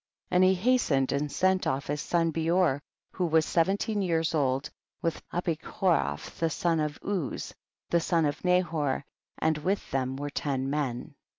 54. And he hastened and sent off his son Beor, who was seventeen years old, with Abichorof the son of LJz, the son of Nahor, and with them were ten men.